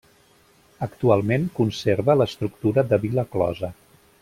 Actualment conserva l'estructura de vila closa.